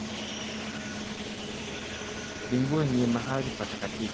Mbinguni ni Mahali patakatifu.